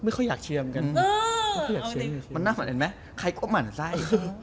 แมนเซตี้